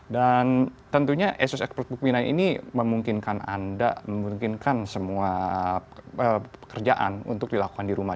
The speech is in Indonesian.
dan tentunya asus expert book b sembilan ini memungkinkan anda memungkinkan semua pekerjaan untuk dilakukan di rumah